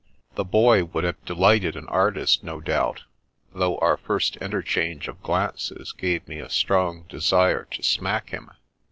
The boy would have delighted an artist, no doubt, though our first interchange of glances gave me a strong desire to smack him.